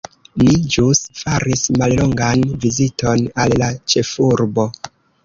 Ni ĵus faris mallongan viziton al la ĉefurbo.